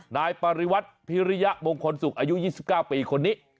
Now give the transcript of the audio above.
นายปริวัติพิริยมงคลสุขอายุ๒๙ปีคนนี้